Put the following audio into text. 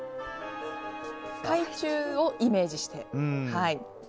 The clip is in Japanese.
海中をイメージして。